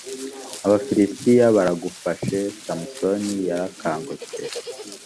abafilisitiya baragufashe samusoni yarakangutse